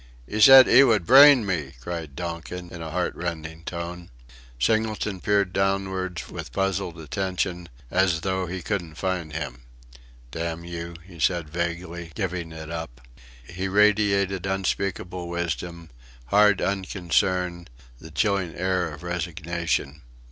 "'Ee said 'ee would brain me!" cried Donkin in a heartrending tone. Singleton peered downwards with puzzled attention, as though he couldn't find him. "Damn you!" he said, vaguely, giving it up. He radiated unspeakable wisdom, hard unconcern, the chilling air of resignation.